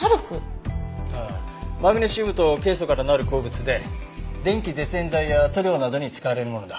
マグネシウムとケイ素からなる鉱物で電気絶縁材や塗料などに使われるものだ。